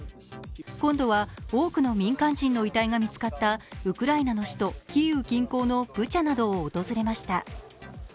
今度は多くの民間人の遺体が実買ったウクライナの首都キーウ近郊ブチャなどを訪れました。